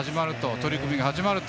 取り組みが始まると。